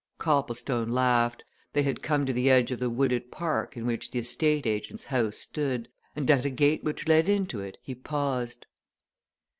Copplestone laughed. They had come to the edge of the wooded park in which the estate agent's house stood, and at a gate which led into it, he paused.